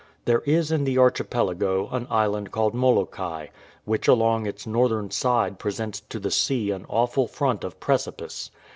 There is in the archipelago an island called Molokai, which along its northern side presents to the sea an awful front of precipice.